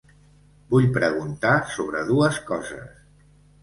Vull preguntar sobre dues coses.